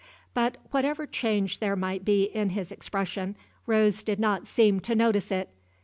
But, whatever change there might be in his expression, Rose did not seem to notice it.